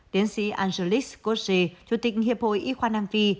tiến sĩ angelique scorsese chủ tịch hiệp hội y khoa nam phi